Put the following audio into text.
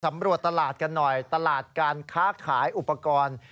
ตำรวจตลาดกันหน่อยตลาดการค้าขายอุปกรณ์